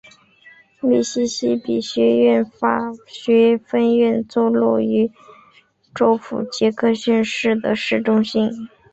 密西西比学院法学分院坐落于州府杰克逊市的市中心。